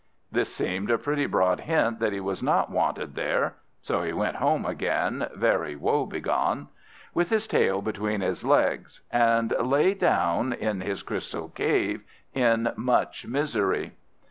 This seemed a pretty broad hint that he was not wanted there; so he went home again, very woebegone, with his tail between his legs, and lay down in his Crystal Cave in much misery.